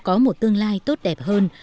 để mong có một tương lai tốt đẹp hơn